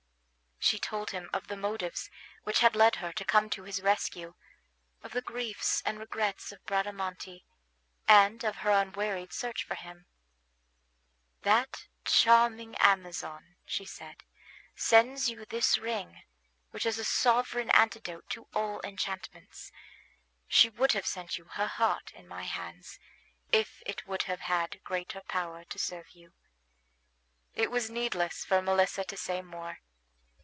She told him of the motives which had led her to come to his rescue, of the griefs and regrets of Bradamante, and of her unwearied search for him. "That charming Amazon," she said, "sends you this ring, which is a sovereign antidote to all enchantments. She would have sent you her heart in my hands, if it would have had greater power to serve you." It was needless for Melissa to say more.